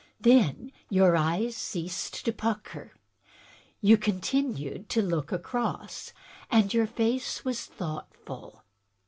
Then your eyes ceased to pucker, but you continued to look across, and your face was thought ful.